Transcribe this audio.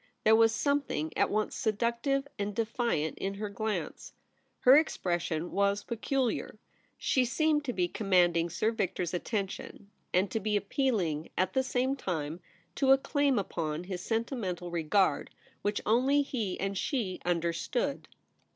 There was something at once seductive and defiant in her glance. Her ex pression was peculiar. She seemed to be commanding Sir Victor's attention, and to be appealing, at the same time, to a claim upon his sentimental regard, which only he and she understood.